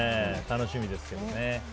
楽しみですけどね。